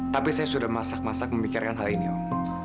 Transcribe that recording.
tapi saya sudah masak masak memikirkan hal ini om